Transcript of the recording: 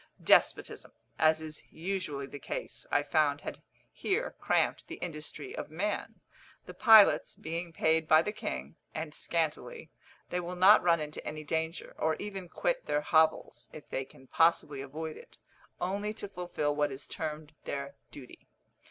Despotism, as is usually the case, I found had here cramped the industry of man. The pilots being paid by the king, and scantily, they will not run into any danger, or even quit their hovels, if they can possibly avoid it, only to fulfil what is termed their duty.